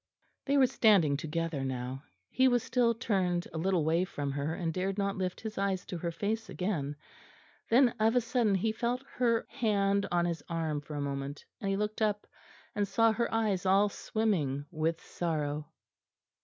They were standing together now; he was still turned a little away from her, and dared not lift his eyes to her face again. Then of a sudden he felt her hand on his arm for a moment, and he looked up, and saw her eyes all swimming with sorrow.